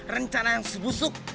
rencana yang sebusuk